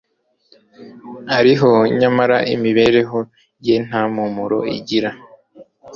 ariho, nyamara imibereho ye nta mpumuro igira